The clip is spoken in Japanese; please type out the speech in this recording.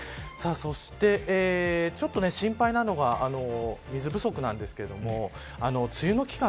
そして、ちょっと心配なのが水不足なんですけれども梅雨の期間